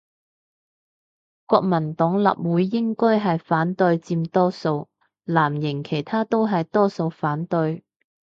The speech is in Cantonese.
國民黨立委應該係反對佔多數，藍營其他都係多數反對